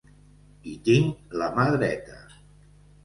I tinc la mà dreta.